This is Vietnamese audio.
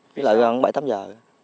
với lại bảy tám giờ